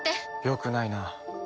よくないな。